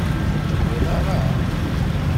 Ur tent-tebɣiḍ ara?